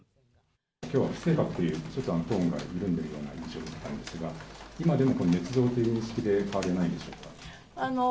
きょうは不正確という、ちょっとトーンが緩んでいるような印象なんですが、今でもねつ造という認識で変わりないんでしょうか？